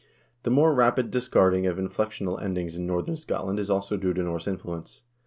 The more rapid discarding of inflectional endings in northern Scotland is also due to Norse influence.